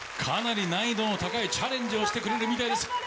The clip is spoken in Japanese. かなり難易度の高いチャレンジをしてくれるみたいです。